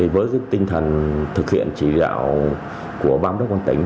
với tinh thần thực hiện chỉ đạo của ba mươi đất quân tỉnh